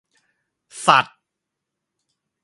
สัตว์